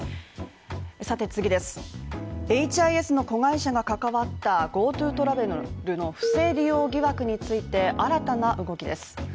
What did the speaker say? エイチ・アイ・エスの子会社が関わったＧｏＴｏトラベルのルールの不正流用疑惑について、新たな動きです。